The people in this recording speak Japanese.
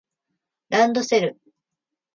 ランドセル